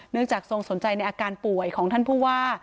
จากทรงสนใจในอาการป่วยของท่านผู้ว่า